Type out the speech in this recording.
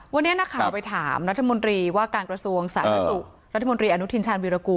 วันนี้นักข่าวไปถามรัฐมนตรีว่าการกระทรวงสาธารณสุขรัฐมนตรีอนุทินชาญวิรากูล